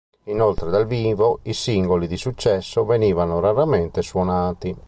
Inoltre dal vivo, i singoli di successo venivano raramente suonati.